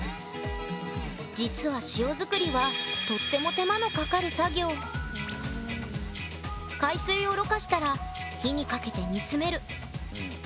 実は塩作りはとっても海水をろ過したら火にかけて煮詰める。